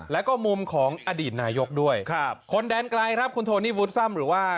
แล้วก็มุมของอดีตนายกด้วยครับคนแดนไกลครับคุณโทนี่วูดซ่ำหรือว่า